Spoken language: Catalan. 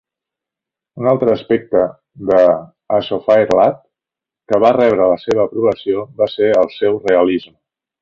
Un altre aspecte d'"A Shropshire Lad" que va rebre la seva aprovació va ser el seu realisme.